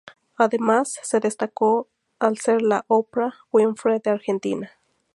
Además se destacó el ser la Oprah Winfrey de Argentina.